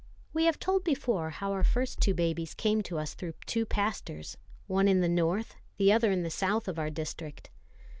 We have told before[A] how our first two babies came to us through two pastors, one in the north, the other in the south of our district.